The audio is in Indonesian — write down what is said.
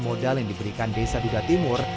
modal yang diberikan desa duda timur